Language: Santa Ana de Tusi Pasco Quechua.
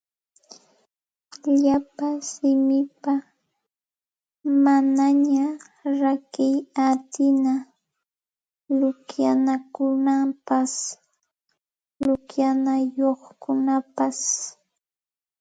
Llapa simipa manaña rakiy atina luqyanakunapas luqyanayuqkunapas